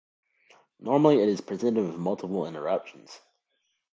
Normally it is presented with multiple interruptions.